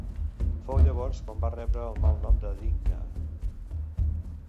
Fou llavors quan va rebre el malnom de Digna.